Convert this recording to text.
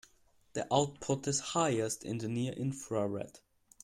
The output is highest in the near infrared.